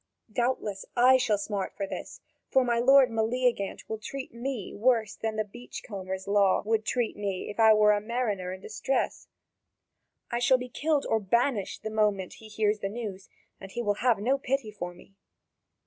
Doubtless, I shall smart for this, for my lord Meleagant will treat me worse than the beach combers' law would treat me were I a mariner in distress. I shall be killed or banished the moment he hears the news, and he will have no pity for me."